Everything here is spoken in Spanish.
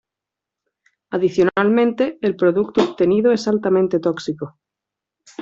Adicionalmente, el producto obtenido es altamente tóxico.